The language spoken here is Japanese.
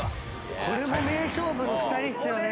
これも名勝負の２人っすよね